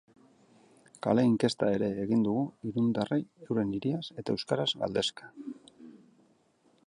Kale inkesta ere egin dugu irundarrei euren hiriaz eta euskaraz galdezka.